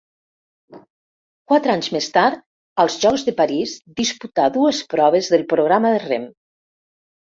Quatre anys més tard, als Jocs de París disputà dues proves del programa de rem.